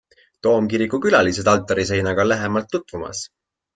Toomkiriku külalised altariseinaga lähemalt tutvumas.